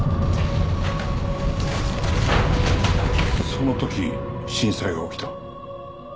その時震災が起きた。